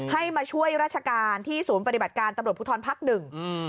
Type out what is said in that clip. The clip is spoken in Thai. ให้มาช่วยราชการที่ศูนย์ปฏิบัติการตำรวจภูทรภักดิ์หนึ่งอืม